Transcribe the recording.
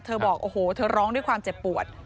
บอกโอ้โหเธอร้องด้วยความเจ็บปวด